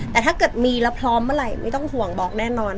แต่ถ้าเกิดมีแล้วพร้อมเมื่อไหร่ไม่ต้องห่วงบอกแน่นอน